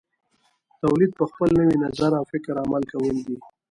تولید په خپل نوي نظر او فکر عمل کول دي.